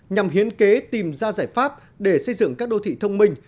nhằm hiến kế tìm ra giải pháp để xây dựng các đô thị thông minh